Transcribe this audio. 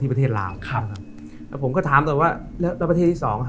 ที่ประเทศลาวครับแล้วผมก็ถามเลยว่าแล้วประเทศที่สองอะ